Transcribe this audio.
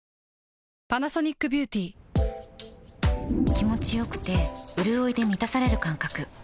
気持ちよくてうるおいで満たされる感覚